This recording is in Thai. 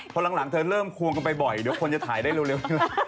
พอหลังเธอเริ่มควงกันไปบ่อยเดี๋ยวคนจะถ่ายได้เร็ว